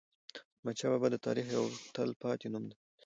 احمدشاه بابا د تاریخ یو تل پاتی نوم دی.